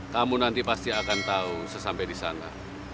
kamu nanti pasti akan tahu sesampai disana